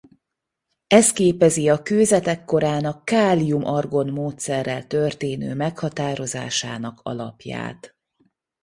Ez képezi a kőzetek korának kálium-argon módszerrel történő meghatározásának alapját.